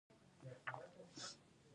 د پکتیکا په سروبي کې د کرومایټ نښې شته.